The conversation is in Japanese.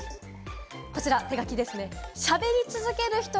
こちら手書きですね。